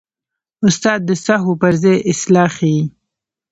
استاد د سهوو پر ځای اصلاح ښيي.